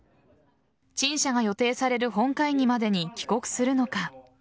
陳謝が予定される本会議までに帰国するのか。